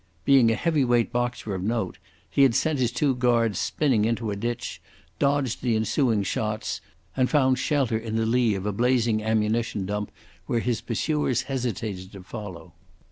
Being a heavy weight boxer of note, he had sent his two guards spinning into a ditch, dodged the ensuing shots, and found shelter in the lee of a blazing ammunition dump where his pursuers hesitated to follow.